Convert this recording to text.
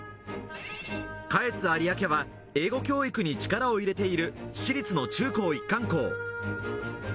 かえつ有明は英語教育に力を入れている私立の中高一貫校。